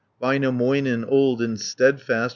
40 Väinämöinen, old and steadfast.